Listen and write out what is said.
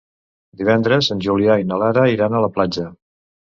Divendres en Julià i na Lara iran a la platja.